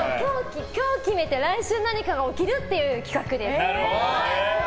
今日決めて来週何かが起きるっていう企画です。